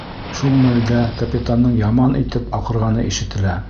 Шул мәлдә капитандың яман итеп аҡырғаны ишетелә: